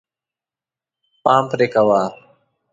پام پرې کوه.